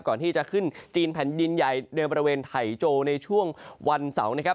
ก่อนที่จะขึ้นจีนแผ่นดินใหญ่ในบริเวณไทยโจในช่วงวันเสาร์นะครับ